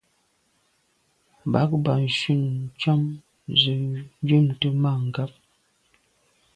Bag ba shun tshàm se’ njwimte mà ngab.